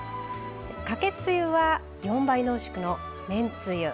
かけつゆは４倍濃縮のめんつゆ。